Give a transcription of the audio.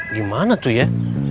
gimana tuh ya